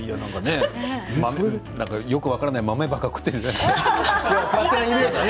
よく分からない豆ばっかり食っているんじゃないの？